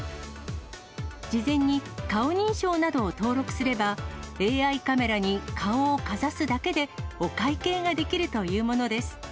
事前に顔認証などを登録すれば、ＡＩカメラに顔をかざすだけでお会計ができるというものです。